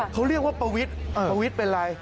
เขาเรียกว่าประวิทย์ประวิทย์เป็นอะไร